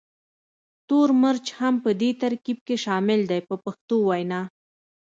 تور مرچ هم په دې ترکیب کې شامل دی په پښتو وینا.